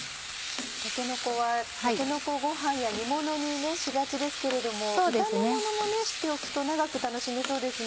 たけのこはたけのこご飯や煮ものにしがちですけれども炒めものも知っておくと長く楽しめそうですね。